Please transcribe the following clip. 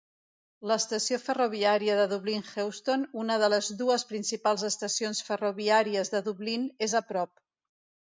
L'estació ferroviària de Dublin Heuston, una de les dues principals estacions ferroviàries de Dublín, és a prop.